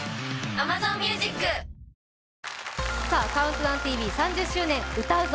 「ＣＤＴＶ」３０周年「歌うぞ！